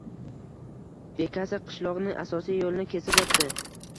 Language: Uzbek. Bekasi qishloqning asosiy yo`lini kesib o`tdi